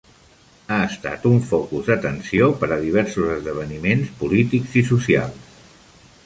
Ha estat un focus de tensió per a diversos esdeveniments polítics i socials.